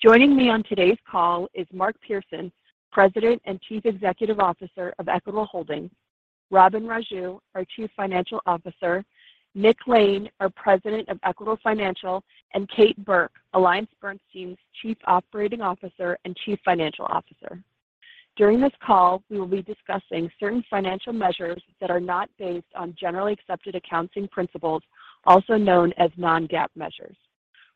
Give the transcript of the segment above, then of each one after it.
Joining me on today's call is Mark Pearson, President and Chief Executive Officer of Equitable Holdings, Robin Raju, our Chief Financial Officer, Nick Lane, our President of Equitable Financial, and Kate Burke, AllianceBernstein's Chief Operating Officer and Chief Financial Officer. During this call, we will be discussing certain financial measures that are not based on generally accepted accounting principles, also known as non-GAAP measures.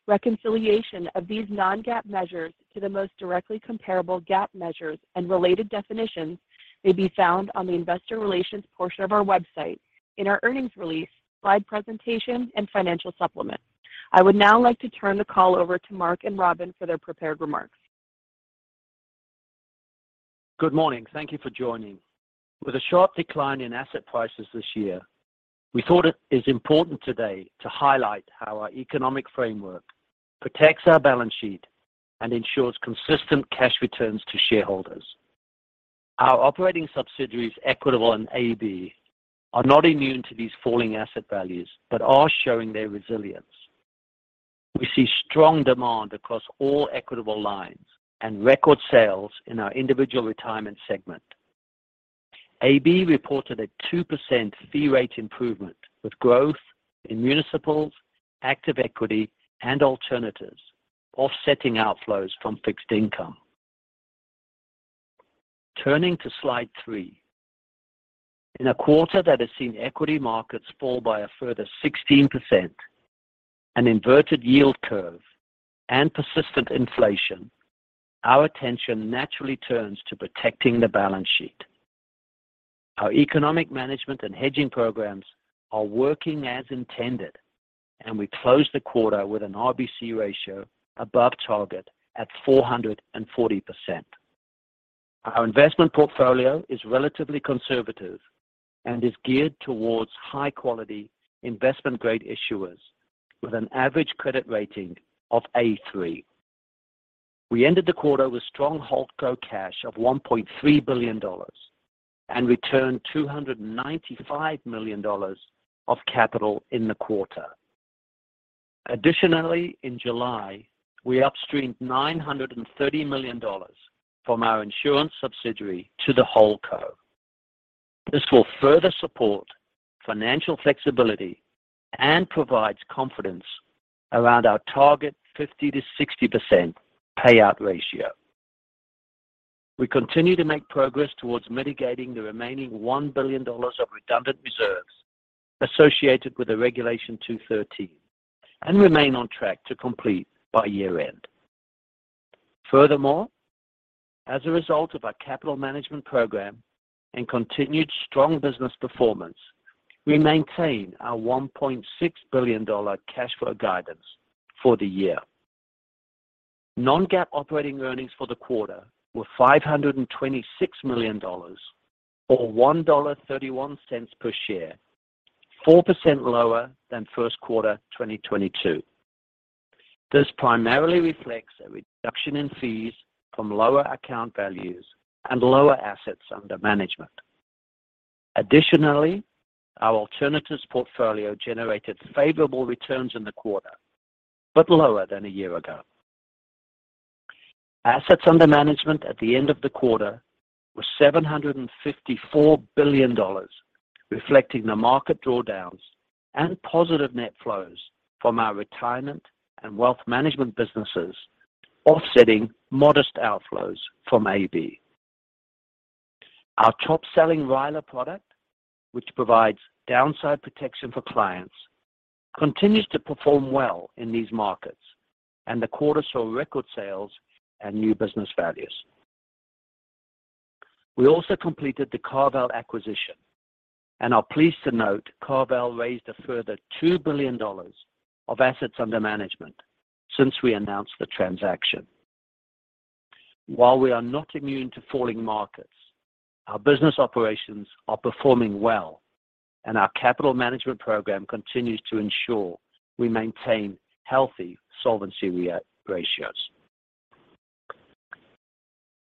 Reconciliation of these non-GAAP measures to the most directly comparable GAAP measures and related definitions may be found on the investor relations portion of our website in our earnings release, slide presentation, and financial supplement. I would now like to turn the call over to Mark and Robin for their prepared remarks. Good morning. Thank you for joining. With a sharp decline in asset prices this year, we thought it is important today to highlight how our economic framework protects our balance sheet and ensures consistent cash returns to shareholders. Our operating subsidiaries, Equitable and AB, are not immune to these falling asset values but are showing their resilience. We see strong demand across all Equitable lines and record sales in our Individual Retirement segment. AB reported a 2% fee rate improvement with growth in municipals, active equity, and alternatives, offsetting outflows from fixed income. Turning to slide three. In a quarter that has seen equity markets fall by a further 16%, an inverted yield curve and persistent inflation, our attention naturally turns to protecting the balance sheet. Our economic management and hedging programs are working as intended, and we closed the quarter with an RBC ratio above target at 440%. Our investment portfolio is relatively conservative and is geared towards high-quality investment-grade issuers with an average credit rating of A3. We ended the quarter with strong holdco cash of $1.3 billion and returned $295 million of capital in the quarter. Additionally, in July, we upstreamed $930 million from our insurance subsidiary to the holdco. This will further support financial flexibility and provides confidence around our target 50%-60% payout ratio. We continue to make progress towards mitigating the remaining $1 billion of redundant reserves associated with the Regulation 213 and remain on track to complete by year-end. Furthermore, as a result of our capital management program and continued strong business performance, we maintain our $1.6 billion cash flow guidance for the year. Non-GAAP operating earnings for the quarter were $526 million or $1.31 per share, 4% lower than first quarter 2022. This primarily reflects a reduction in fees from lower account values and lower assets under management. Additionally, our alternatives portfolio generated favorable returns in the quarter, but lower than a year ago. Assets under management at the end of the quarter were $754 billion, reflecting the market drawdowns and positive net flows from our Retirement and Wealth Management businesses, offsetting modest outflows from AB. Our top-selling RILA product, which provides downside protection for clients, continues to perform well in these markets, and the quarter saw record sales and new business values. We also completed the CarVal acquisition and are pleased to note CarVal raised a further $2 billion of assets under management since we announced the transaction. While we are not immune to falling markets, our business operations are performing well and our capital management program continues to ensure we maintain healthy solvency ratios.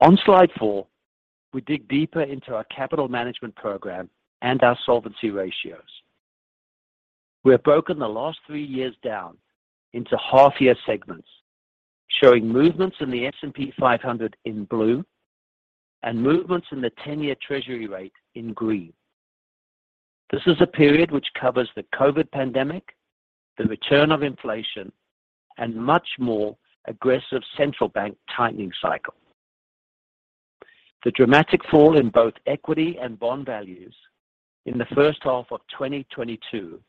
On slide four, we dig deeper into our capital management program and our solvency ratios. We have broken the last three years down into half-year segments, showing movements in the S&P 500 in blue and movements in the 10-year Treasury rate in green. This is a period which covers the COVID pandemic, the return of inflation, and much more aggressive central bank tightening cycle. The dramatic fall in both equity and bond values in the first half of 2022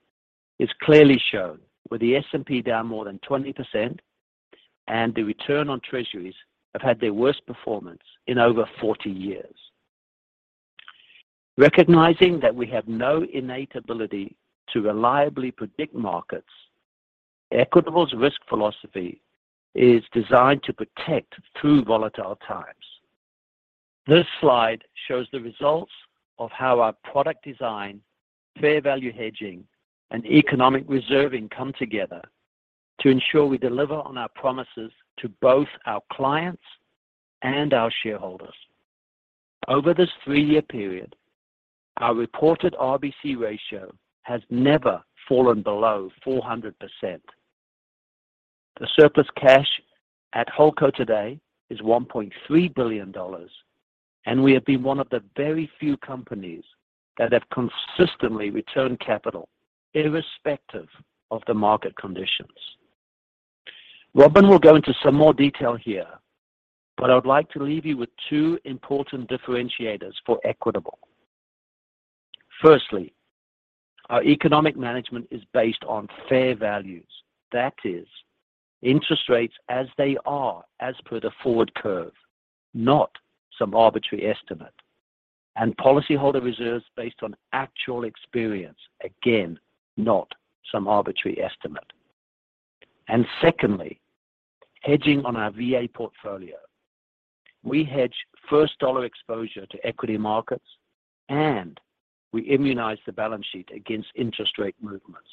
is clearly shown, with the S&P down more than 20% and the return on treasuries have had their worst performance in over 40 years. Recognizing that we have no innate ability to reliably predict markets, Equitable's risk philosophy is designed to protect through volatile times. This slide shows the results of how our product design, fair value hedging, and economic reserving come together to ensure we deliver on our promises to both our clients and our shareholders. Over this three-year period, our reported RBC ratio has never fallen below 400%. The surplus cash at Holdco today is $1.3 billion, and we have been one of the very few companies that have consistently returned capital irrespective of the market conditions. Robin will go into some more detail here, but I would like to leave you with two important differentiators for Equitable. Firstly, our economic management is based on fair values. That is interest rates as they are as per the forward curve, not some arbitrary estimate, and policyholder reserves based on actual experience, again, not some arbitrary estimate. Secondly, hedging on our VA portfolio. We hedge first dollar exposure to equity markets, and we immunize the balance sheet against interest rate movements.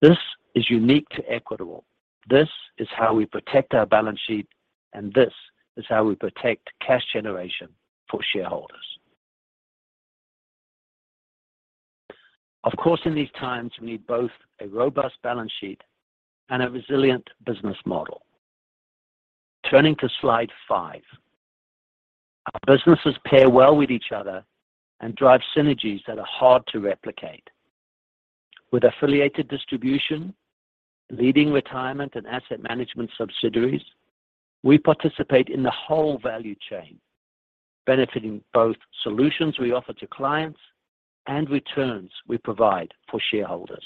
This is unique to Equitable. This is how we protect our balance sheet, and this is how we protect cash generation for shareholders. Of course, in these times we need both a robust balance sheet and a resilient business model. Turning to slide five. Our businesses pair well with each other and drive synergies that are hard to replicate. With affiliated distribution, leading Retirement and Asset Management subsidiaries, we participate in the whole value chain, benefiting both solutions we offer to clients and returns we provide for shareholders.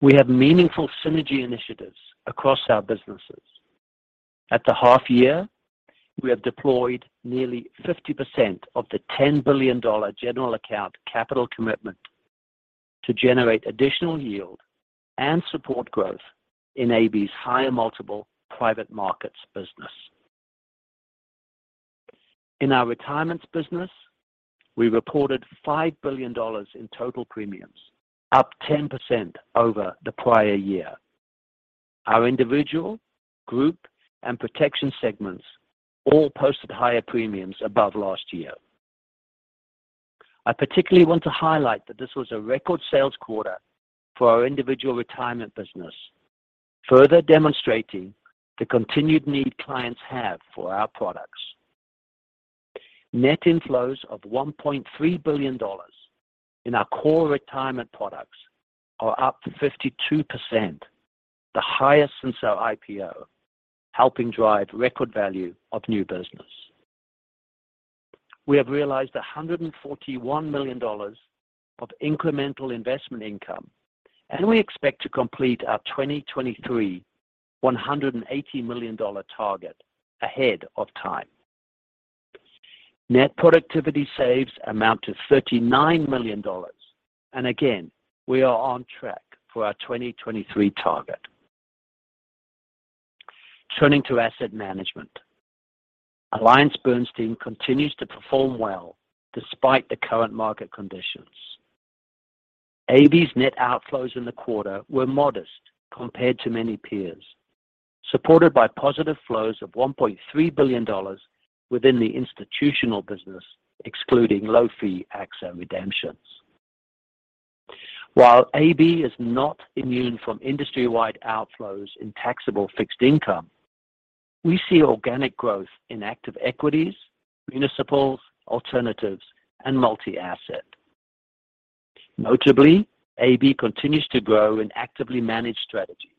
We have meaningful synergy initiatives across our businesses. At the half year, we have deployed nearly 50% of the $10 billion general account capital commitment to generate additional yield and support growth in AB's higher multiple private markets business. In our retirements business, we reported $5 billion in total premiums, up 10% over the prior year. Our Individual, Group, and Protection segments all posted higher premiums above last year. I particularly want to highlight that this was a record sales quarter for our Individual Retirement business, further demonstrating the continued need clients have for our products. Net inflows of $1.3 billion in our core retirement products are up 52%, the highest since our IPO, helping drive record value of new business. We have realized $141 million of incremental investment income, and we expect to complete our 2023 $180 million target ahead of time. Net productivity savings amount to $39 million, and again, we are on track for our 2023 target. Turning to Asset Management. AllianceBernstein continues to perform well despite the current market conditions. AB's net outflows in the quarter were modest compared to many peers, supported by positive flows of $1.3 billion within the institutional business, excluding low-fee AXA redemptions. While AB is not immune from industry-wide outflows in taxable fixed income, we see organic growth in active equities, municipals, alternatives, and multi-asset. Notably, AB continues to grow in actively managed strategies.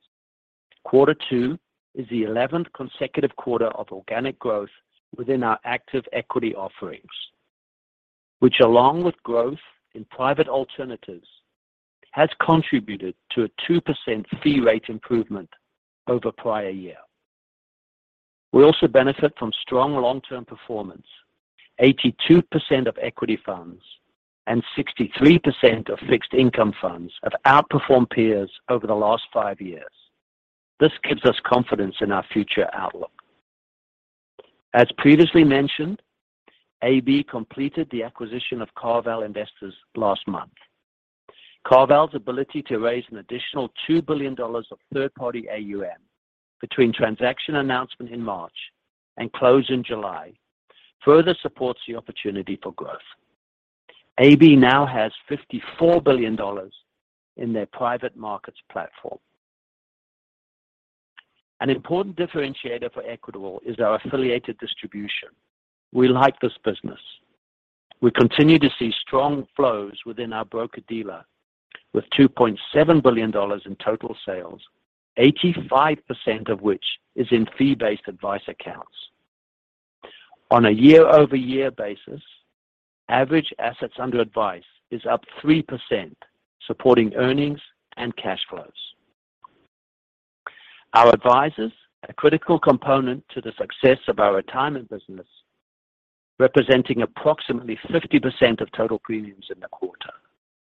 Quarter two is the 11th consecutive quarter of organic growth within our active equity offerings, which along with growth in private alternatives, has contributed to a 2% fee rate improvement over prior year. We also benefit from strong long-term performance. 82% of equity funds and 63% of fixed income funds have outperformed peers over the last five years. This gives us confidence in our future outlook. As previously mentioned, AB completed the acquisition of CarVal Investors last month. CarVal's ability to raise an additional $2 billion of third-party AUM between transaction announcement in March and close in July further supports the opportunity for growth. AB now has $54 billion in their private markets platform. An important differentiator for Equitable is our affiliated distribution. We like this business. We continue to see strong flows within our broker-dealer with $2.7 billion in total sales, 85% of which is in fee-based advice accounts. On a year-over-year basis, average assets under advice is up 3%, supporting earnings and cash flows. Our advisors are a critical component to the success of our retirement business, representing approximately 50% of total premiums in the quarter.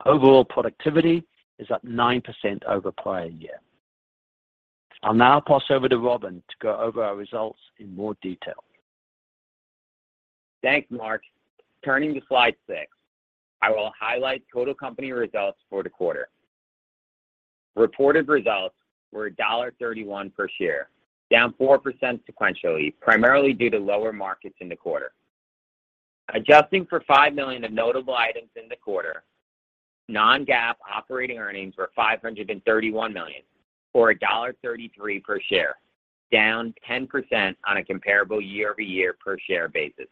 Overall productivity is up 9% over prior year. I'll now pass over to Robin to go over our results in more detail. Thanks, Mark. Turning to slide six, I will highlight total company results for the quarter. Reported results were $1.31 per share, down 4% sequentially, primarily due to lower markets in the quarter. Adjusting for $5 million of notable items in the quarter, non-GAAP operating earnings were $531 million, or $1.33 per share, down 10% on a comparable year-over-year per share basis.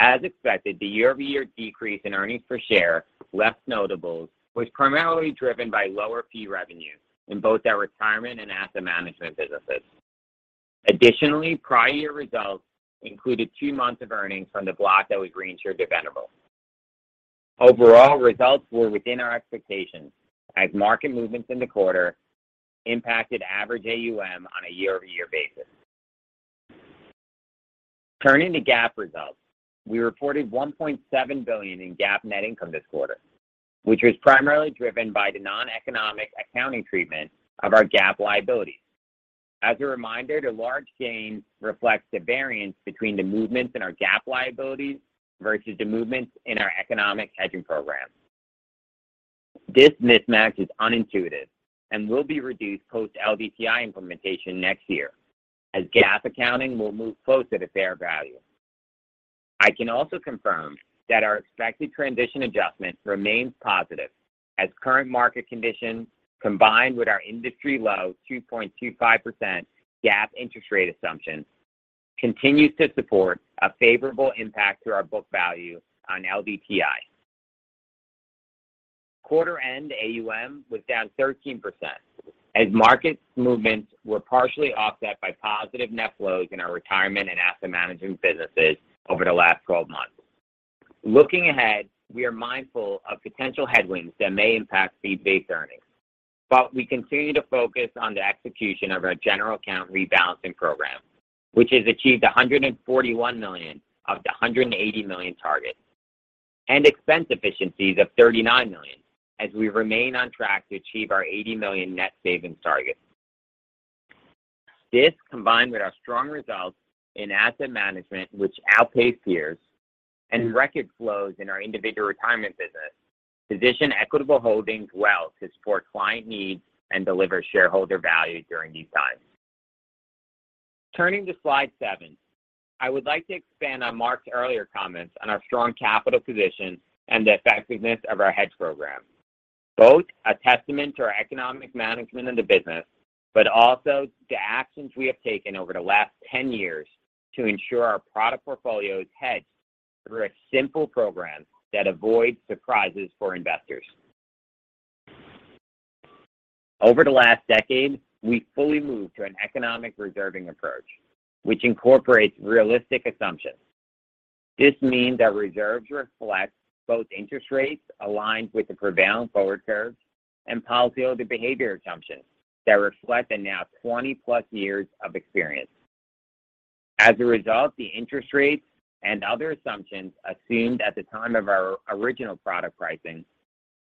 As expected, the year-over-year decrease in earnings per share, less notables, was primarily driven by lower fee revenue in both our Retirement and Asset Management businesses. Additionally, prior year results included two months of earnings from the block that was reinsured to Venerable. Overall, results were within our expectations as market movements in the quarter impacted average AUM on a year-over-year basis. Turning to GAAP results, we reported $1.7 billion in GAAP net income this quarter, which was primarily driven by the non-economic accounting treatment of our GAAP liabilities. As a reminder, the large gain reflects the variance between the movements in our GAAP liabilities versus the movements in our economic hedging program. This mismatch is unintuitive and will be reduced post-LDTI implementation next year as GAAP accounting will move closer to fair value. I can also confirm that our expected transition adjustment remains positive as current market conditions, combined with our industry-low 2.25% GAAP interest rate assumptions, continues to support a favorable impact to our book value on LDTI. Quarter-end AUM was down 13% as market movements were partially offset by positive net flows in our Retirement and Asset Management businesses over the last 12 months. Looking ahead, we are mindful of potential headwinds that may impact fee-based earnings, but we continue to focus on the execution of our general account rebalancing program, which has achieved $141 million of the $180 million target, and expense efficiencies of $39 million as we remain on track to achieve our $80 million net savings target. This, combined with our strong results in Asset Management, which outpaced peers, and record flows in our Individual Retirement business, position Equitable Holdings well to support client needs and deliver shareholder value during these times. Turning to slide seven, I would like to expand on Mark's earlier comments on our strong capital position and the effectiveness of our hedge program, both a testament to our economic management of the business, but also the actions we have taken over the last 10 years to ensure our product portfolio is hedged through a simple program that avoids surprises for investors. Over the last decade, we fully moved to an economic reserving approach, which incorporates realistic assumptions. This means that reserves reflect both interest rates aligned with the prevailing forward curve and policyholder behavior assumptions that reflect the now 20+ years of experience. As a result, the interest rates and other assumptions assumed at the time of our original product pricing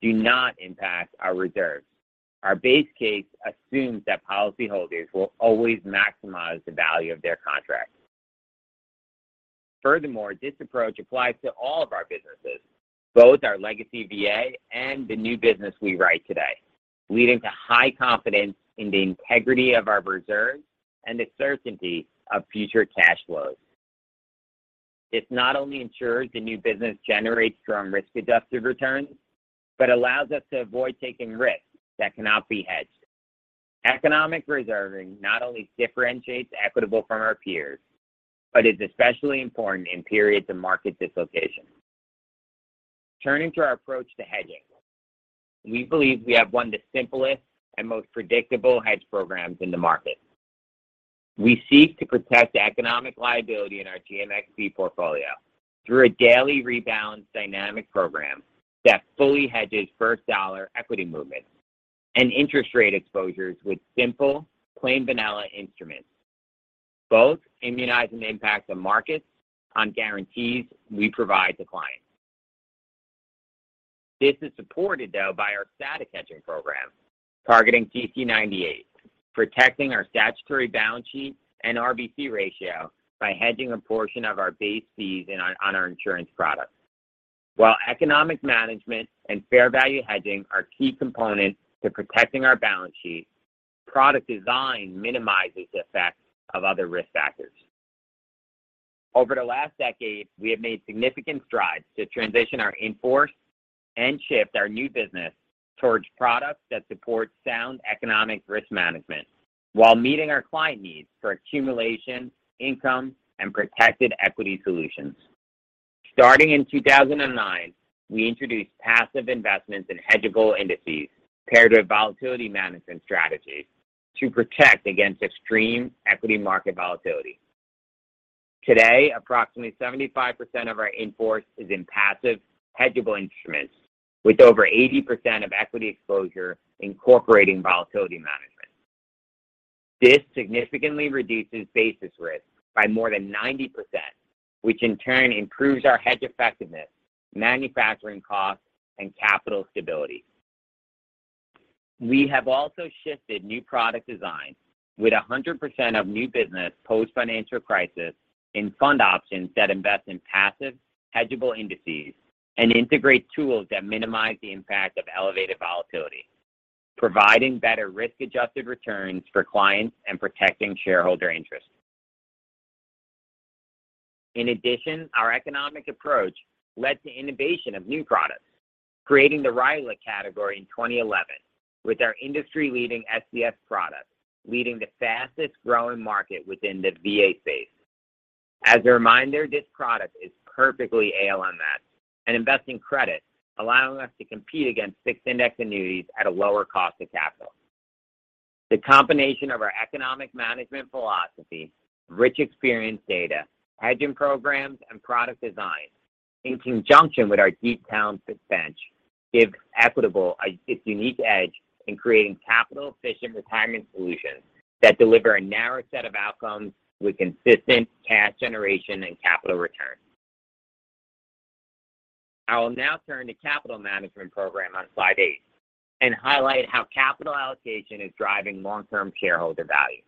do not impact our reserves. Our base case assumes that policyholders will always maximize the value of their contract. Furthermore, this approach applies to all of our businesses, both our legacy VA and the new business we write today, leading to high confidence in the integrity of our reserves and the certainty of future cash flows. This not only ensures the new business generates strong risk-adjusted returns but allows us to avoid taking risks that cannot be hedged. Economic reserving not only differentiates Equitable from our peers but is especially important in periods of market dislocation. Turning to our approach to hedging, we believe we have one of the simplest and most predictable hedge programs in the market. We seek to protect the economic liability in our GMxB portfolio through a daily rebalance dynamic program that fully hedges first dollar equity movements and interest rate exposures with simple plain vanilla instruments, both immunizing the impact of markets on guarantees we provide to clients. This is supported, though, by our static hedging program targeting CTE 98, protecting our statutory balance sheet and RBC ratio by hedging a portion of our base fees on our insurance products. While economic management and fair value hedging are key components to protecting our balance sheet, product design minimizes the effect of other risk factors. Over the last decade, we have made significant strides to transition our in-force and shift our new business towards products that support sound economic risk management while meeting our client needs for accumulation, income, and protected equity solutions. Starting in 2009, we introduced passive investments in hedgeable indices paired with volatility management strategies to protect against extreme equity market volatility. Today, approximately 75% of our in-force is in passive hedgeable instruments with over 80% of equity exposure incorporating volatility management. This significantly reduces basis risk by more than 90%, which in turn improves our hedge effectiveness, manufacturing costs, and capital stability. We have also shifted new product design with 100% of new business post-financial crisis in fund options that invest in passive hedgable indices and integrate tools that minimize the impact of elevated volatility, providing better risk-adjusted returns for clients and protecting shareholder interest. In addition, our economic approach led to innovation of new products, creating the RILA category in 2011 with our industry-leading SCS product, leading the fastest-growing market within the VA space. As a reminder, this product is perfectly ALM-ed and invests in credit, allowing us to compete against fixed index annuities at a lower cost of capital. The combination of our economic management philosophy, rich experience data, hedging programs, and product design in conjunction with our deep talent bench gives Equitable its unique edge in creating capital-efficient retirement solutions that deliver a narrow set of outcomes with consistent cash generation and capital return. I will now turn to capital management program on slide eight and highlight how capital allocation is driving long-term shareholder value.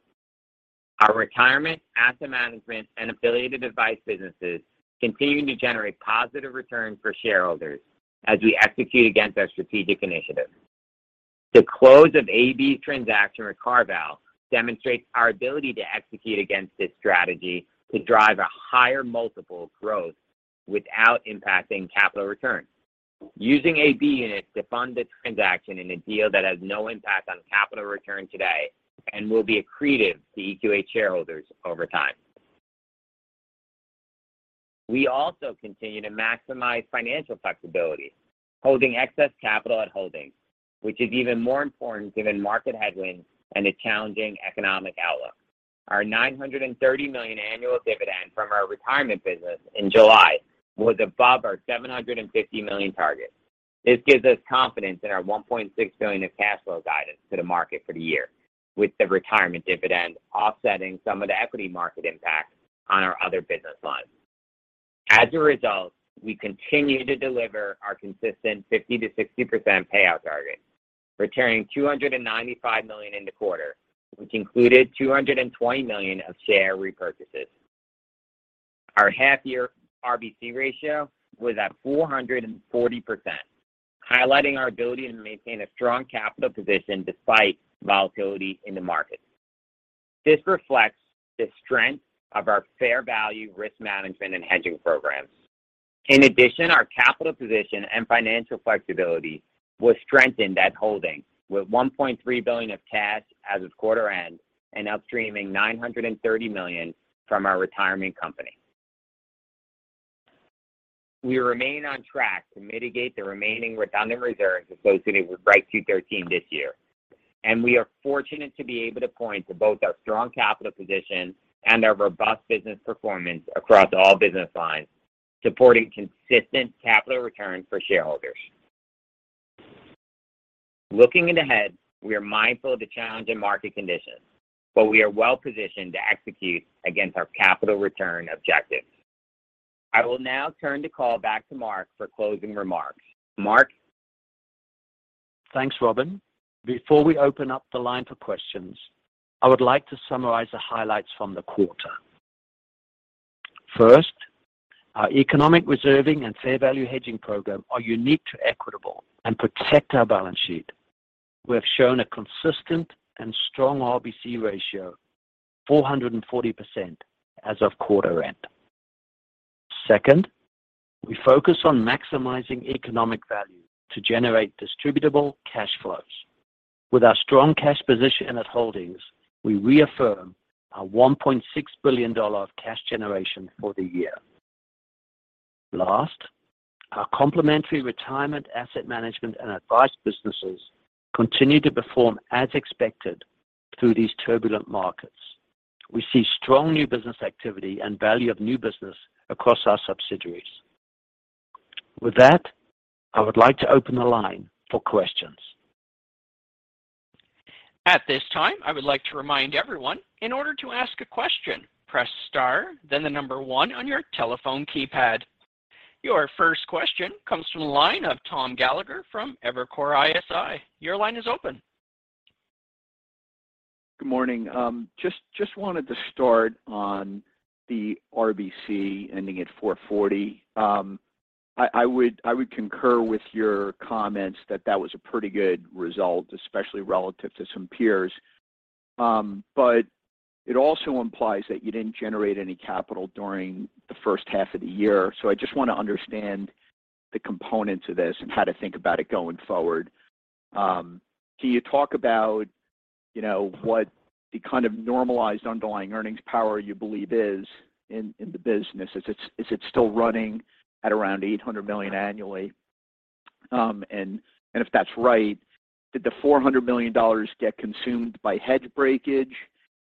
Our Retirement Asset Management and affiliated advice businesses continue to generate positive returns for shareholders as we execute against our strategic initiatives. The close of AB transaction with CarVal demonstrates our ability to execute against this strategy to drive a higher multiple of growth without impacting capital returns. Using AB units to fund the transaction in a deal that has no impact on capital return today and will be accretive to EQH shareholders over time. We also continue to maximize financial flexibility, holding excess capital at Holdings, which is even more important given market headwinds and a challenging economic outlook. Our $930 million annual dividend from our retirement business in July was above our $750 million target. This gives us confidence in our $1.6 billion of cash flow guidance to the market for the year, with the retirement dividend offsetting some of the equity market impact on our other business lines. As a result, we continue to deliver our consistent 50%-60% payout target, returning $295 million in the quarter, which included $220 million of share repurchases. Our half-year RBC ratio was at 440%, highlighting our ability to maintain a strong capital position despite volatility in the market. This reflects the strength of our fair value risk management and hedging programs. In addition, our capital position and financial flexibility was strengthened at holding, with $1.3 billion of cash as of quarter end and upstreaming $930 million from our retirement company. We remain on track to mitigate the remaining redundant reserves associated with Regulation 213 this year, and we are fortunate to be able to point to both our strong capital position and our robust business performance across all business lines, supporting consistent capital returns for shareholders. Looking ahead, we are mindful of the challenging market conditions, but we are well positioned to execute against our capital return objectives. I will now turn the call back to Mark for closing remarks. Mark? Thanks, Robin. Before we open up the line for questions, I would like to summarize the highlights from the quarter. First, our economic reserving and fair value hedging program are unique to Equitable and protect our balance sheet. We have shown a consistent and strong RBC ratio, 440% as of quarter end. Second, we focus on maximizing economic value to generate distributable cash flows. With our strong cash position at Holdings, we reaffirm our $1.6 billion of cash generation for the year. Last, our complementary Retirement Asset Management and advice businesses continue to perform as expected through these turbulent markets. We see strong new business activity and value of new business across our subsidiaries. With that, I would like to open the line for questions. At this time, I would like to remind everyone, in order to ask a question, press star, then the number one on your telephone keypad. Your first question comes from the line of Tom Gallagher from Evercore ISI. Your line is open. Good morning. Just wanted to start on the RBC ending at 440%. I would concur with your comments that that was a pretty good result, especially relative to some peers. It also implies that you didn't generate any capital during the first half of the year. I just want to understand the components of this and how to think about it going forward. Can you talk about, you know, what the kind of normalized underlying earnings power you believe is in the business? Is it still running at around $800 million annually? And if that's right, did the $400 million get consumed by hedge breakage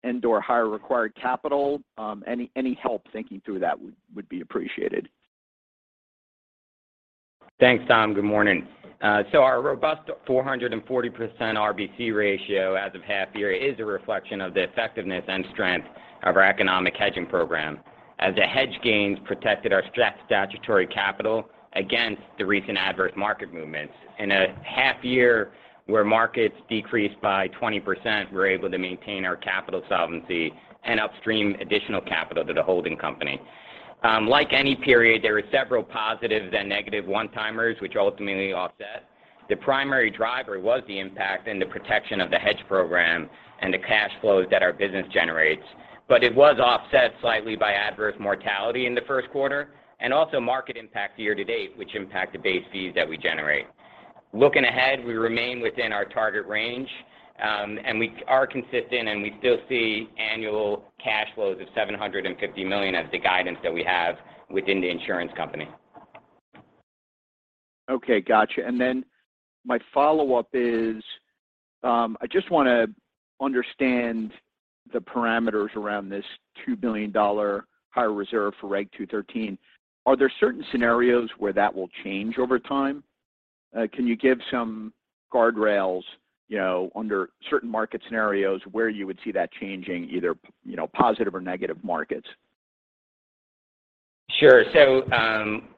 and/or higher required capital? Any help thinking through that would be appreciated. Thanks, Tom. Good morning. Our robust 440% RBC ratio as of half year is a reflection of the effectiveness and strength of our economic hedging program. As the hedge gains protected our statutory capital against the recent adverse market movements. In a half year where markets decreased by 20%, we're able to maintain our capital solvency and upstream additional capital to the holding company. Like any period, there were several positives and negative one-timers which ultimately offset. The primary driver was the impact and the protection of the hedge program and the cash flows that our business generates. It was offset slightly by adverse mortality in the first quarter, and also market impact year to date, which impacted base fees that we generate. Looking ahead, we remain within our target range, and we are consistent, and we still see annual cash flows of $750 million as the guidance that we have within the insurance company. Okay. Gotcha. My follow-up is, I just wanna understand the parameters around this $2 billion higher reserve for Reg. 213. Are there certain scenarios where that will change over time? Can you give some guardrails, you know, under certain market scenarios where you would see that changing either, you know, positive or negative markets? Sure.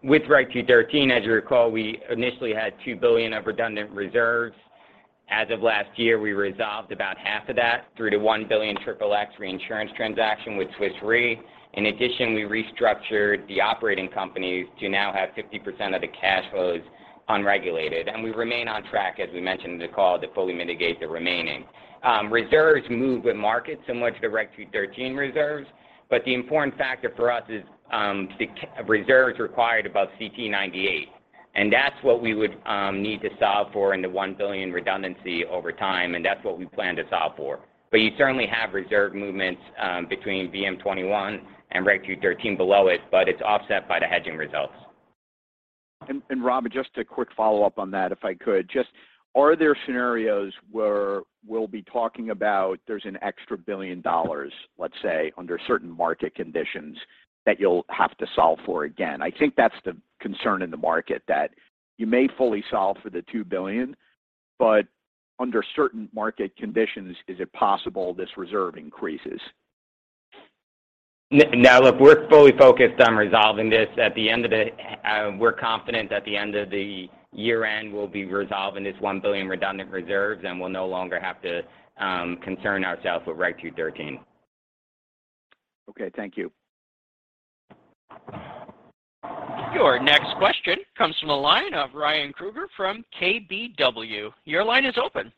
With Reg. 213, as you recall, we initially had $2 billion of redundant reserves. As of last year, we resolved about half of that through the $1 billion Triple X reinsurance transaction with Swiss Re. In addition, we restructured the operating companies to now have 50% of the cash flows unregulated, and we remain on track, as we mentioned in the call, to fully mitigate the remaining. Reserves move with markets, and much of the Reg. 213 reserves, but the important factor for us is the reserves required above CTE 98. That's what we would need to solve for in the $1 billion redundancy over time, and that's what we plan to solve for. You certainly have reserve movements between VM-21 and Reg. 213 Below it, but it's offset by the hedging results. And Rob, just a quick follow-up on that if I could. Just, are there scenarios where we'll be talking about there's an extra $1 billion, let's say, under certain market conditions that you'll have to solve for again? I think that's the concern in the market, that you may fully solve for the $2 billion, but under certain market conditions, is it possible this reserve increases? Now look, we're fully focused on resolving this. We're confident at the end of the year-end we'll be resolving this $1 billion redundant reserves, and we'll no longer have to concern ourselves with Reg. 213. Okay. Thank you. Your next question comes from the line of Ryan Krueger from KBW. Your line is open.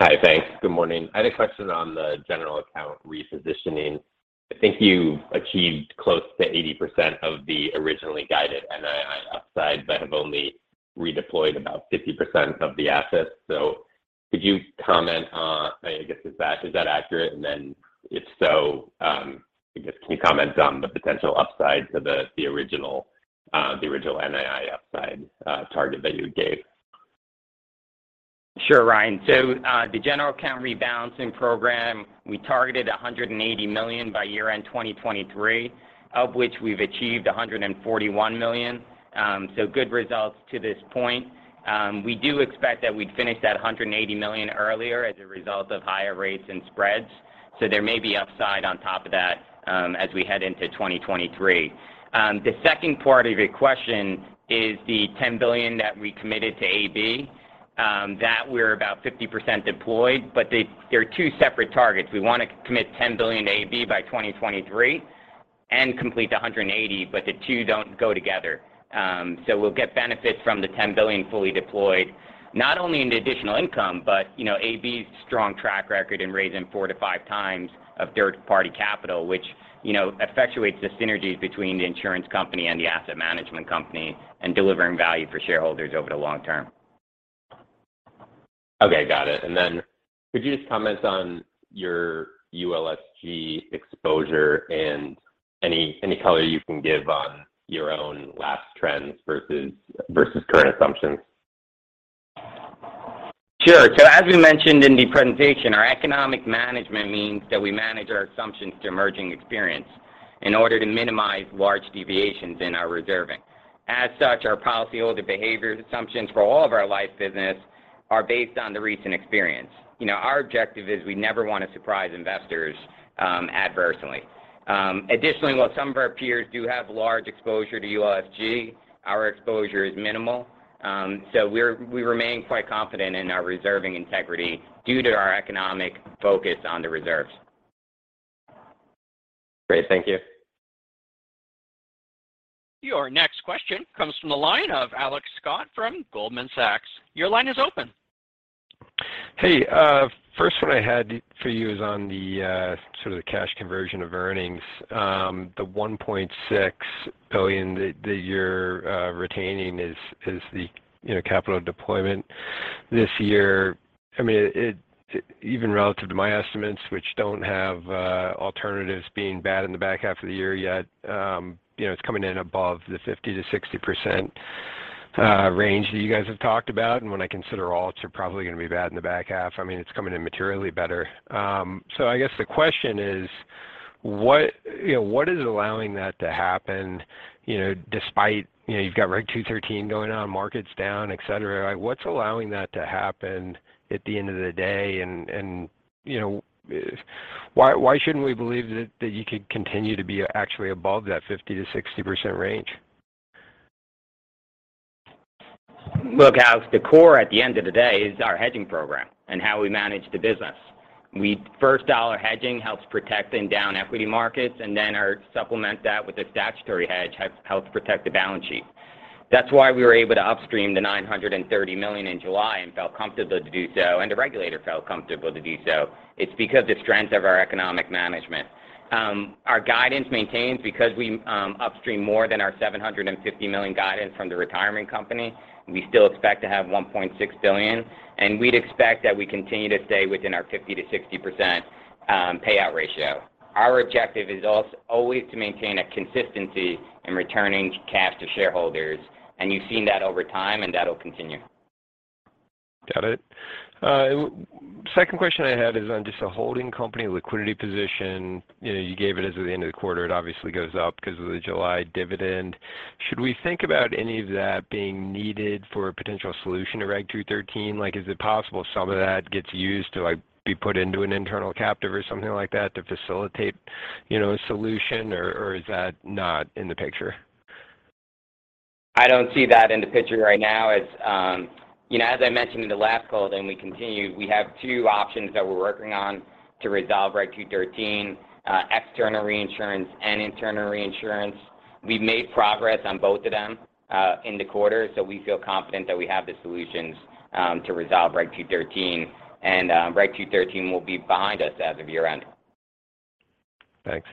Hi. Thanks. Good morning. I had a question on the general account repositioning. I think you achieved close to 80% of the originally guided NII upside, but have only redeployed about 50% of the assets. Could you comment on, I guess, is that accurate? Then if so, I guess can you comment on the potential upside to the original NII upside target that you gave? Sure, Ryan. The general account rebalancing program, we targeted $180 million by year-end 2023, of which we've achieved $141 million, so good results to this point. We do expect that we'd finish that $180 million earlier as a result of higher rates and spreads, so there may be upside on top of that, as we head into 2023. The second part of your question is the $10 billion that we committed to AB, that we're about 50% deployed, but they're two separate targets. We wanna commit $10 billion to AB by 2023 and complete the $180 million, but the two don't go together. We'll get benefits from the $10 billion fully deployed, not only in the additional income, but you know, AB's strong track record in raising four to five times of third-party capital, which, you know, effectuates the synergies between the insurance company and the asset management company and delivering value for shareholders over the long term. Okay. Got it. Could you just comment on your ULSG exposure and any color you can give on your own lapse trends versus current assumptions? As we mentioned in the presentation, our economic management means that we manage our assumptions to emerging experience in order to minimize large deviations in our reserving. As such, our policyholder behavior assumptions for all of our life business are based on the recent experience. You know, our objective is we never wanna surprise investors adversely. Additionally, while some of our peers do have large exposure to ULSG, our exposure is minimal. We remain quite confident in our reserving integrity due to our economic focus on the reserves. Great. Thank you. Your next question comes from the line of Alex Scott from Goldman Sachs. Your line is open. Hey, first one I had for you is on the sort of the cash conversion of earnings. The $1.6 billion that you're retaining is the, you know, capital deployment this year. I mean, it even relative to my estimates, which don't have alternatives being bad in the back half of the year yet, you know, it's coming in above the 50%-60% range that you guys have talked about. When I consider alts are probably gonna be bad in the back half, I mean, it's coming in materially better. So I guess the question is, what you know, what is allowing that to happen, you know, despite, you know, you've got Reg. 213 going on, market's down, et cetera. Like, what's allowing that to happen at the end of the day? You know, why shouldn't we believe that you could continue to be actually above that 50%-60% range? Look, Alex, the core at the end of the day is our hedging program and how we manage the business. We first dollar hedging helps protect in down equity markets, and then we supplement that with a statutory hedge helps protect the balance sheet. That's why we were able to upstream the $930 million in July and felt comfortable to do so, and the regulator felt comfortable to do so. It's because the strength of our economic management. Our guidance remains because we upstream more than our $750 million guidance from the retirement company, we still expect to have $1.6 billion, and we'd expect that we continue to stay within our 50%-60% payout ratio. Our objective is always to maintain a consistency in returning cash to shareholders, and you've seen that over time, and that'll continue. Got it. Second question I had is on just the holding company liquidity position. You know, you gave it as of the end of the quarter. It obviously goes up because of the July dividend. Should we think about any of that being needed for a potential solution to Reg. 213? Like, is it possible some of that gets used to, like, be put into an internal captive or something like that to facilitate, you know, a solution, or is that not in the picture? I don't see that in the picture right now. It's, you know, as I mentioned in the last call, then we continue. We have two options that we're working on to resolve Reg. 213, external reinsurance and internal reinsurance. We've made progress on both of them, in the quarter, so we feel confident that we have the solutions, to resolve Reg. 213. Reg. 213 will be behind us as of year-end. Thanks.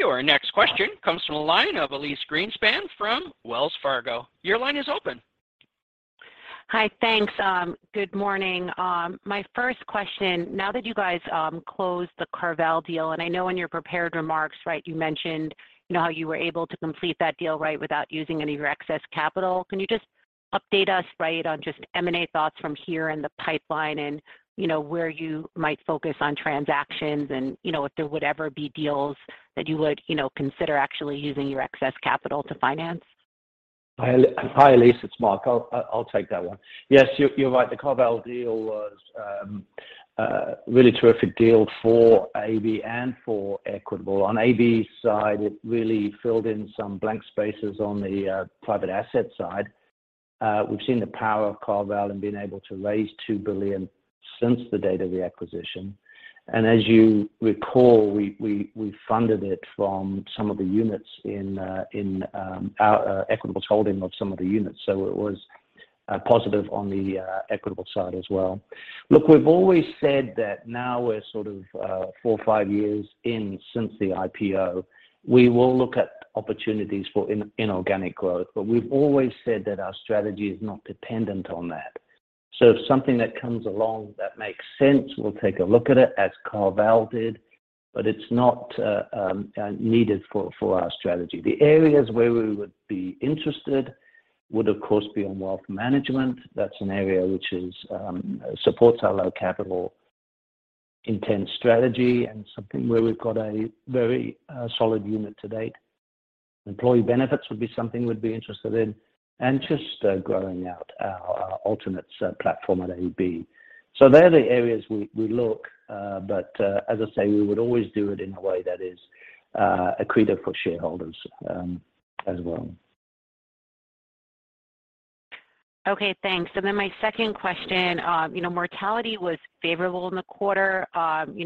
Your next question comes from the line of Elyse Greenspan from Wells Fargo. Your line is open. Hi. Thanks. Good morning. My first question, now that you guys closed the CarVal deal, and I know in your prepared remarks, right, you mentioned, you know, how you were able to complete that deal, right, without using any of your excess capital. Can you just update us, right, on just M&A thoughts from here in the pipeline and, you know, where you might focus on transactions and, you know, if there would ever be deals that you would, you know, consider actually using your excess capital to finance? Hi, Elyse. It's Mark. I'll take that one. Yes, you're right. The CarVal deal was really terrific deal for AB and for Equitable. On AB's side, it really filled in some blank spaces on the private asset side. We've seen the power of CarVal in being able to raise $2 billion since the date of the acquisition. As you recall, we funded it from some of the units in Equitable's holding of some of the units. It was positive on the Equitable side as well. Look, we've always said that now we're sort of four or five years in since the IPO. We will look at opportunities for inorganic growth, but we've always said that our strategy is not dependent on that. If something comes along that makes sense, we'll take a look at it as CarVal did, but it's not needed for our strategy. The areas where we would be interested would, of course, be on Wealth Management. That's an area which supports our low capital intensive strategy and something where we've got a very solid unit to date. Employee benefits would be something we'd be interested in and just growing out our alternatives platform at AB. They're the areas we look, but as I say, we would always do it in a way that is accretive for shareholders, as well. Okay, thanks. Then my second question, you know, mortality was favorable in the quarter. You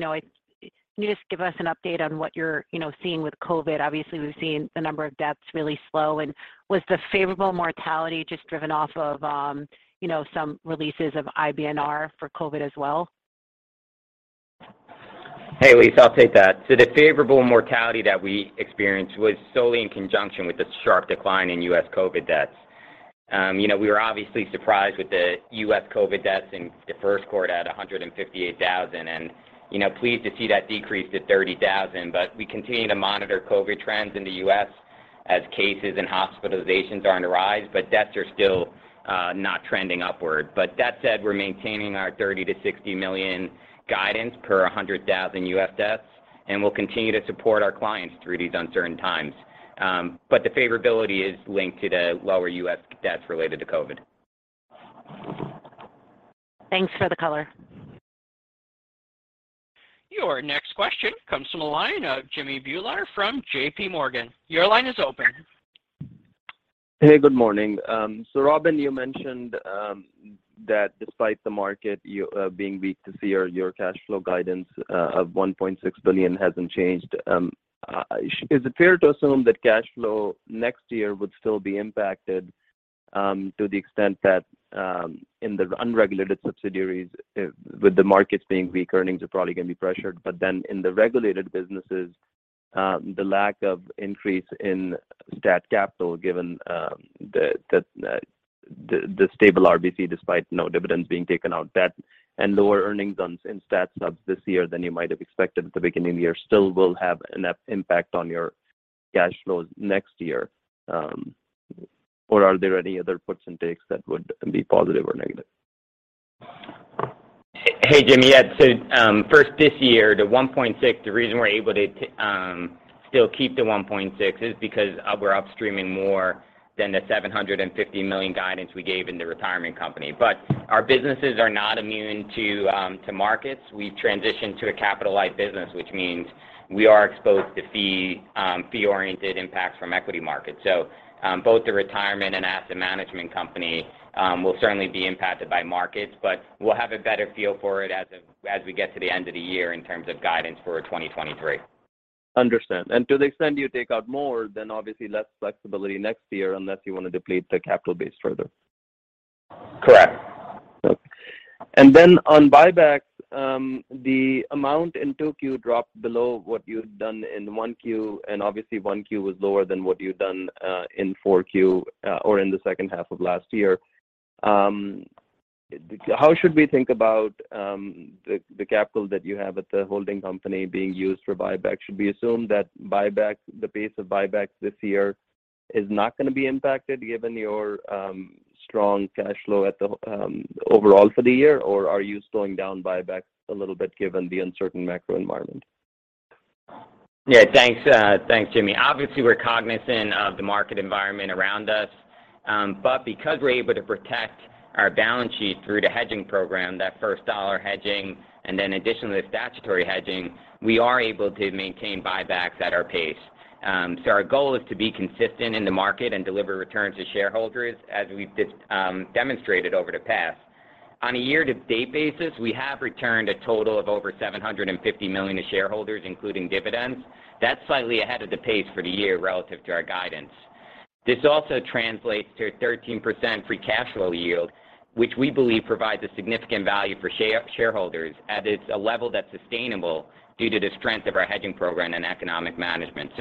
know, can you just give us an update on what you're, you know, seeing with COVID? Obviously, we've seen the number of deaths really slow. Was the favorable mortality just driven off of, you know, some releases of IBNR for COVID as well? Hey, Elyse, I'll take that. The favorable mortality that we experienced was solely in conjunction with the sharp decline in U.S. COVID deaths. You know, we were obviously surprised with the U.S. COVID deaths in the first quarter at 158,000 and, you know, pleased to see that decrease to 30,000. We continue to monitor COVID trends in the U.S. as cases and hospitalizations are on the rise, but deaths are still not trending upward. That said, we're maintaining our $30 million-$60 million guidance per 100,000 U.S. deaths, and we'll continue to support our clients through these uncertain times. The favorability is linked to the lower U.S. deaths related to COVID. Thanks for the color. Your next question comes from the line of Jimmy Bhullar from J.P. Morgan. Your line is open. Hey, good morning. Robin, you mentioned that despite the market being weak, you see your cash flow guidance of $1.6 billion hasn't changed. Is it fair to assume that cash flow next year would still be impacted to the extent that in the unregulated subsidiaries with the markets being weak, earnings are probably going to be pressured? In the regulated businesses, the lack of increase in stat capital, given the stable RBC, despite no dividends being taken out that and lower earnings in stat subs this year than you might have expected at the beginning of the year, still will have an impact on your cash flows next year. Are there any other puts and takes that would be positive or negative? Hey, Jimmy. Yeah, first this year, the $1.6 billion, the reason we're able to still keep the $1.6 billion is because we're upstreaming more than the $750 million guidance we gave in the retirement company. Our businesses are not immune to markets. We've transitioned to a capital light business, which means we are exposed to fee-oriented impacts from equity markets. Both the Retirement and Asset Management company will certainly be impacted by markets, but we'll have a better feel for it as we get to the end of the year in terms of guidance for 2023. Understand. To the extent you take out more, then obviously less flexibility next year unless you want to deplete the capital base further. Correct. Okay. Then on buybacks, the amount in 2Q dropped below what you'd done in 1Q, and obviously 1Q was lower than what you'd done in 4Q, or in the second half of last year. How should we think about the capital that you have at the holding company being used for buyback? Should we assume that buyback, the pace of buybacks this year is not gonna be impacted given your strong cash flow at the overall for the year? Or are you slowing down buybacks a little bit given the uncertain macro environment? Yeah, thanks, Jimmy. Obviously, we're cognizant of the market environment around us. But because we're able to protect our balance sheet through the hedging program, that first dollar hedging and then additionally the statutory hedging, we are able to maintain buybacks at our pace. Our goal is to be consistent in the market and deliver returns to shareholders as we've just demonstrated over the past. On a year-to-date basis, we have returned a total of over $750 million to shareholders, including dividends. That's slightly ahead of the pace for the year relative to our guidance. This also translates to a 13% free cash flow yield, which we believe provides a significant value for shareholders at a level that's sustainable due to the strength of our hedging program and economic management.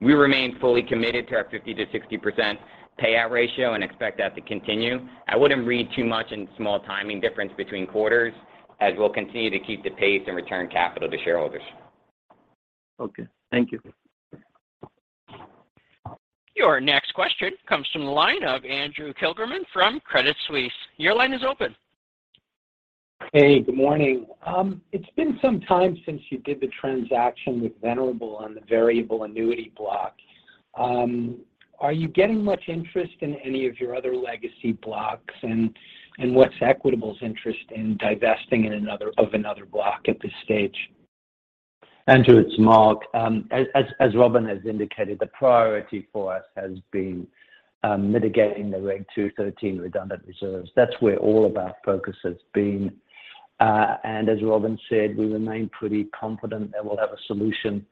We remain fully committed to our 50%-60% payout ratio and expect that to continue. I wouldn't read too much in small timing difference between quarters as we'll continue to keep the pace and return capital to shareholders. Okay. Thank you. Your next question comes from the line of Andrew Kligerman from Credit Suisse. Your line is open. Hey, good morning. It's been some time since you did the transaction with Venerable on the variable annuity block. Are you getting much interest in any of your other legacy blocks? What's Equitable's interest in divesting of another block at this stage? Andrew, it's Mark. As Robin has indicated, the priority for us has been mitigating the Reg. 213 redundant reserves. That's where all of our focus has been. As Robin said, we remain pretty confident that we'll have a solution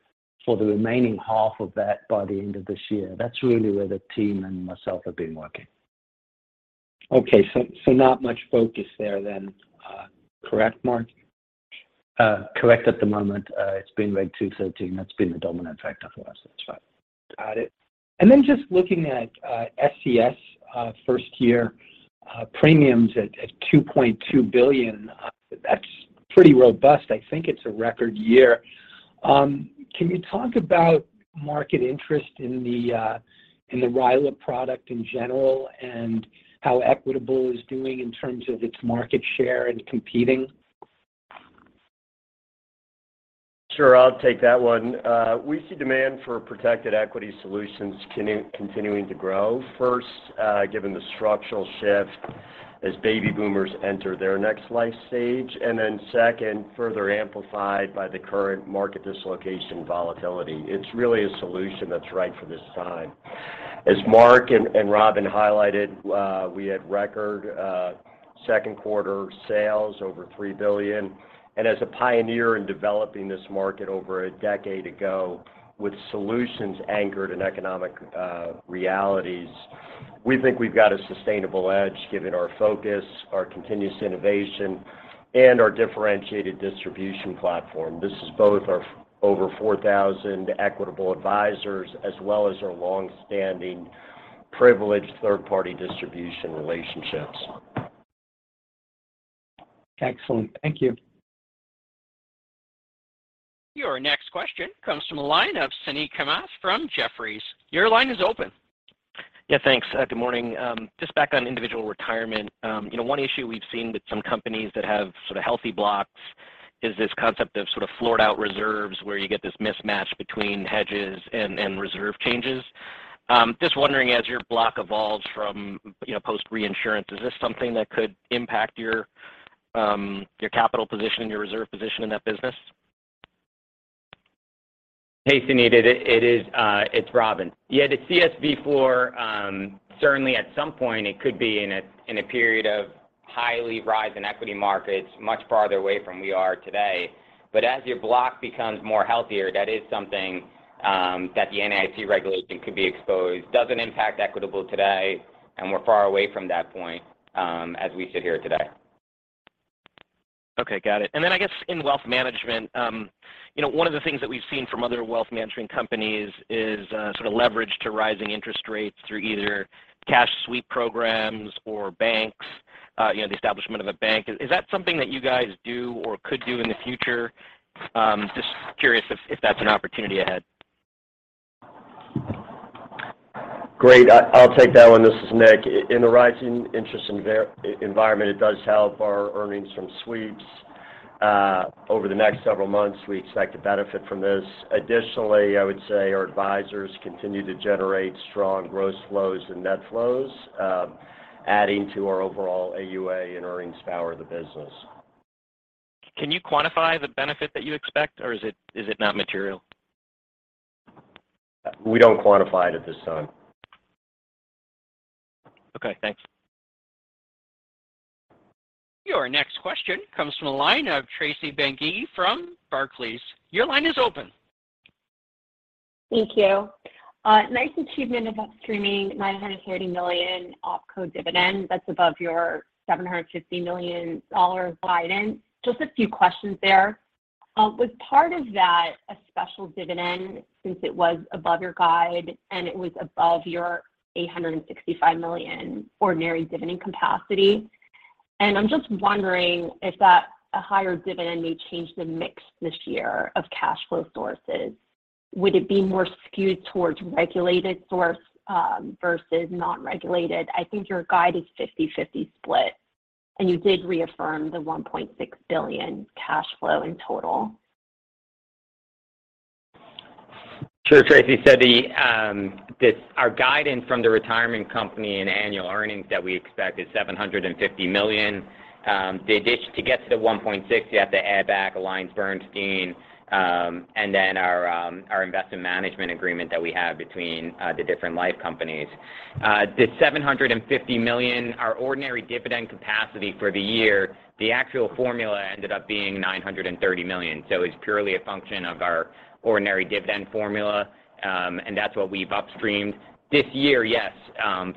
for the remaining half of that by the end of this year. That's really where the team and myself have been working. Okay. Not much focus there then, correct, Mark? Correct at the moment. It's been Reg. 213 that's been the dominant factor for us. That's right. Got it. Then just looking at SCS first year premiums at $2.2 billion, that's pretty robust. I think it's a record year. Can you talk about market interest in the RILA product in general and how Equitable is doing in terms of its market share and competing? Sure, I'll take that one. We see demand for protected equity solutions continuing to grow. First, given the structural shift as baby boomers enter their next life stage, and then second, further amplified by the current market dislocation volatility. It's really a solution that's right for this time. As Mark and Robin highlighted, we had record second quarter sales over $3 billion. As a pioneer in developing this market over a decade ago with solutions anchored in economic realities, we think we've got a sustainable edge given our focus, our continuous innovation, and our differentiated distribution platform. This is both our over 4,000 Equitable advisors as well as our long-standing privileged third-party distribution relationships. Excellent. Thank you. Your next question comes from a line of Suneet Kamath from Jefferies. Your line is open. Yeah, thanks. Good morning. Just back on Individual Retirement. You know, one issue we've seen with some companies that have sort of healthy blocks is this concept of sort of floored out reserves where you get this mismatch between hedges and reserve changes. Just wondering as your block evolves from, you know, post reinsurance, is this something that could impact your capital position and your reserve position in that business? Hey, Suneet. It's Robin. Yeah, the CSV floor certainly at some point it could be in a period of highly rising equity markets much farther away from where we are today. As your block becomes healthier, that is something that the NAIC regulation could be exposed. It doesn't impact Equitable today, and we're far away from that point as we sit here today. Okay, got it. Then I guess in Wealth Management, you know, one of the things that we've seen from other Wealth Management companies is, sort of leverage to rising interest rates through either cash sweep programs or banks, you know, the establishment of a bank. Is that something that you guys do or could do in the future? Just curious if that's an opportunity ahead. Great. I'll take that one. This is Nick. In the rising interest environment, it does help our earnings from sweeps. Over the next several months, we expect to benefit from this. Additionally, I would say our advisors continue to generate strong gross flows and net flows, adding to our overall AUA and earnings power of the business. Can you quantify the benefit that you expect, or is it not material? We don't quantify it at this time. Okay, thanks. Your next question comes from the line of Tracy Benguigui from Barclays. Your line is open. Thank you. Nice achievement about the $930 million OpCo dividend. That's above your $750 million guidance. Just a few questions there. Was part of that a special dividend since it was above your guide and it was above your $865 million ordinary dividend capacity? I'm just wondering if that higher dividend may change the mix this year of cash flow sources. Would it be more skewed towards regulated source, versus non-regulated? I think your guide is 50/50 split, and you did reaffirm the $1.6 billion cash flow in total. Sure, Tracy. Our guidance from the retirement company and annual earnings that we expect is $750 million. To get to the $1.6, you have to add back AllianceBernstein and then our investment management agreement that we have between the different life companies. The $750 million, our ordinary dividend capacity for the year, the actual formula ended up being $930 million. It's purely a function of our ordinary dividend formula and that's what we've upstreamed. This year, yes,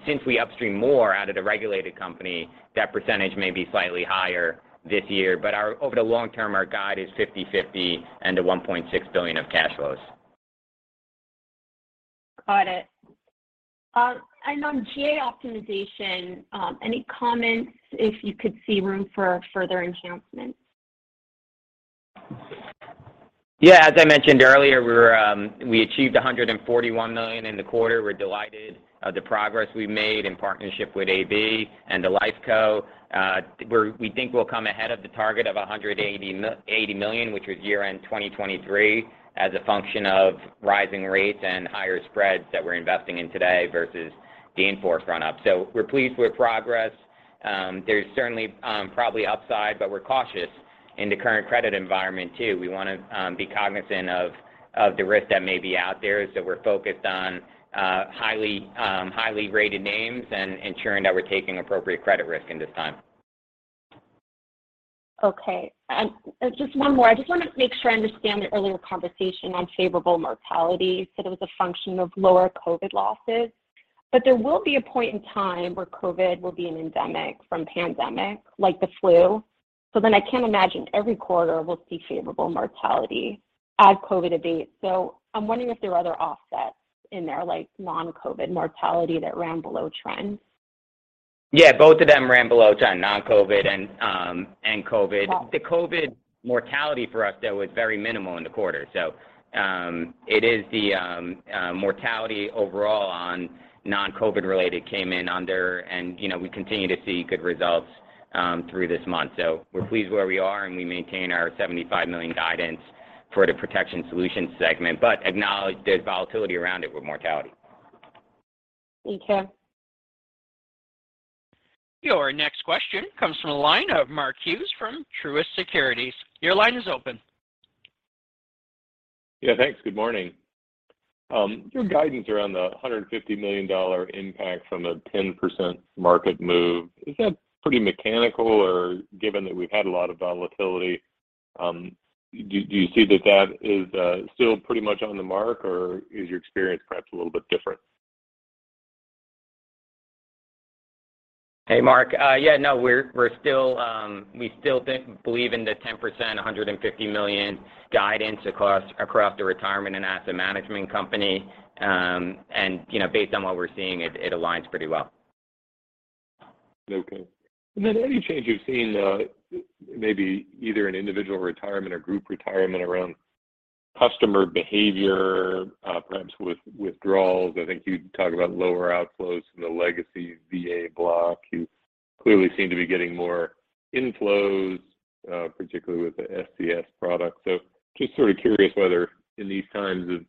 since we upstream more out of the regulated company, that percentage may be slightly higher this year. Over the long term, our guide is 50/50 and the $1.6 billion of cash flows. Got it. On GA optimization, any comments if you could see room for further enhancements? Yeah, as I mentioned earlier, we achieved $141 million in the quarter. We're delighted of the progress we've made in partnership with AB and the Life Co. We think we'll come ahead of the target of $180 million, which was year-end 2023, as a function of rising rates and higher spreads that we're investing in today versus the gain from the run-up. We're pleased with progress. There's certainly probably upside, but we're cautious in the current credit environment too. We wanna be cognizant of the risk that may be out there, so we're focused on highly rated names and ensuring that we're taking appropriate credit risk in this time. Okay. Just one more. I just wanna make sure I understand the earlier conversation on favorable mortality. It was a function of lower COVID losses. There will be a point in time where COVID will be an endemic from pandemic, like the flu. I can't imagine every quarter we'll see favorable mortality as COVID abates. I'm wondering if there are other offsets in there, like non-COVID mortality that ran below trend. Yeah, both of them ran below trend, non-COVID and COVID. Well- The COVID mortality for us, though, was very minimal in the quarter. The mortality overall on non-COVID related came in under, and you know, we continue to see good results through this month. We're pleased where we are, and we maintain our $75 million guidance for the Protection Solution segment, but acknowledge the volatility around it with mortality. Thank you. Your next question comes from the line of Mark Hughes from Truist Securities. Your line is open. Yeah, thanks. Good morning. Your guidance around the $150 million impact from a 10% market move, is that pretty mechanical, or given that we've had a lot of volatility, do you see that is still pretty much on the mark, or is your experience perhaps a little bit different? Hey, Mark. Yeah, no, we're still believe in the 10%, $150 million guidance across the Retirement and Asset Management company. You know, based on what we're seeing, it aligns pretty well. Okay. Any change you've seen, maybe either in Individual Retirement or Group Retirement around customer behavior, perhaps with withdrawals? I think you talk about lower outflows from the legacy VA block. You clearly seem to be getting more inflows, particularly with the SCS product. Just sort of curious whether in these times of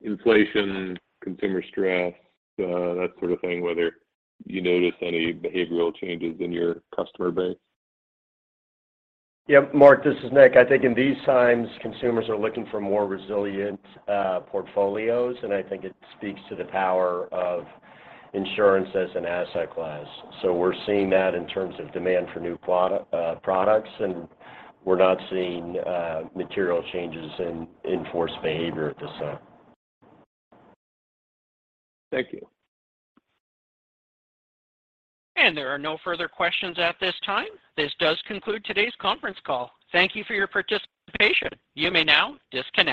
inflation, consumer stress, that sort of thing, whether you notice any behavioral changes in your customer base? Yeah. Mark, this is Nick. I think in these times, consumers are looking for more resilient portfolios, and I think it speaks to the power of insurance as an asset class. We're seeing that in terms of demand for new products, and we're not seeing material changes in in-force behavior at this time. Thank you. There are no further questions at this time. This does conclude today's conference call. Thank you for your participation. You may now disconnect.